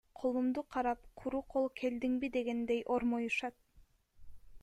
Колумду карап, куру кол келдиңби дегендей ормоюшат.